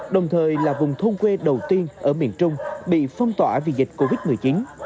đồng thời là vùng thôn quê đầu tiên ở miền trung bị phong tỏa vì dịch covid một mươi chín